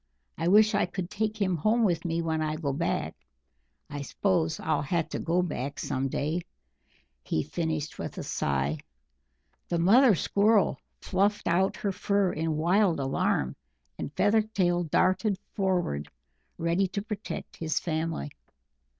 I wish I could take him home with me when I go back I s'pose I'll have to go back some day," he finished with a sigh. The mother Squirrel fluffed out her fur in wild alarm, and Feathertail darted forward ready to protect his family.